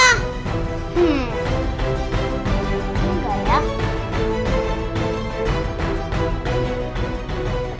hmm enggak ya